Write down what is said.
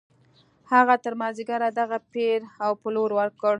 هغه تر مازديګره دغه پېر او پلور وکړ.